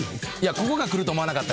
ここがくると思わなかった。